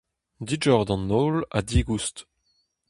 Digor d'an holl ha digoust.